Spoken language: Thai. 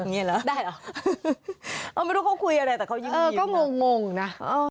งี้เหรอได้เหรอไม่รู้เค้าคุยอะไรแต่เค้ายิ้มนะเออก็งงนะ